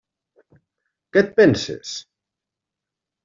Què et penses?